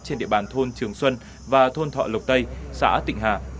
trên địa bàn thôn trường xuân và thôn thọ lộc tây xã tịnh hà